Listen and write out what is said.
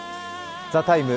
「ＴＨＥＴＩＭＥ，」